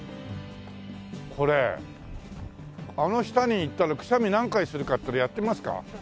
あの下に行ったらくしゃみ何回するかっていうのやってみますか？